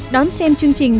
đón xem chương trình